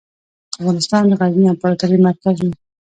افغانستان د غزني امپراتورۍ مرکز و.